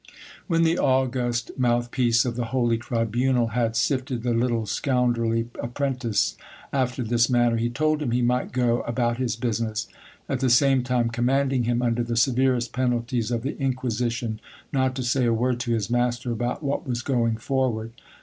When the august mouth piece of the holy tribunal had sifted the little scoundrelly apprentice after this manner, he told him he might go about his business ; at the same time commanding him, under the severest penalties of the inquisition, not to say a word to his master about what was going forward.